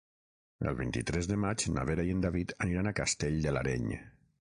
El vint-i-tres de maig na Vera i en David aniran a Castell de l'Areny.